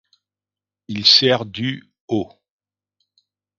Il sert du au .